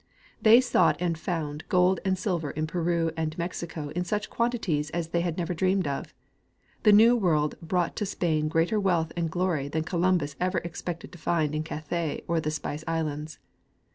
They sought and found gold and silver in Peru and Mexico in such quantities as they had never dreamed of; the new world brought to Spain greater wealth and glory than Columbus ever expected to find in Cathay or the Spice islands.